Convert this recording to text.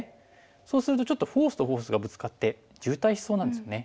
そうするとちょっとフォースとフォースがぶつかって渋滞しそうなんですよね。